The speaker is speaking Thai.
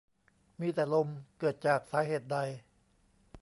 มีแต่ลม เกิดจากสาเหตุใด